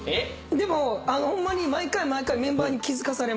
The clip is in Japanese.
でもホンマに毎回毎回メンバーに気付かされます。